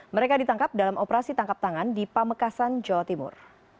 mereka ditangkap dalam operasi tangkap tangan di pamekasan jawa timur